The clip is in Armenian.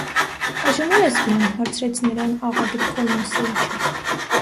- Այժմ ո՞ւր ես գնում,- հարցրեց նրան աղա Գրիգոր Մոսեիչը: